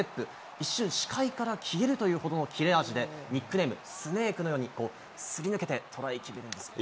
一瞬、視界から消えるというほどの切れ味で、ニックネーム、スネークのようにすり抜けてトライ決めるんですね。